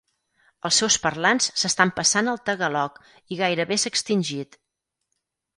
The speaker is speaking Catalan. Els seus parlants s'estan passant al Tagalog i gairebé s'ha extingit.